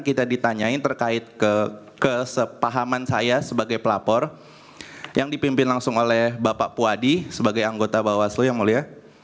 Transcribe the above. kita ditanyain terkait kesepahaman saya sebagai pelapor yang dipimpin langsung oleh bapak puadi sebagai anggota bawaslu yang mulia